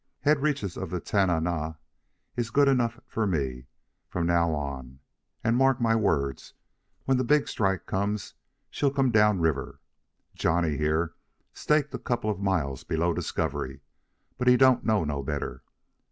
Head reaches of the Tanana is good enough for me from now on, and mark my words, when the big strike comes, she'll come down river. Johnny, here, staked a couple of miles below Discovery, but he don't know no better."